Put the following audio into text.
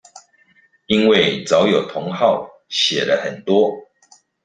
因為早有同好寫了很多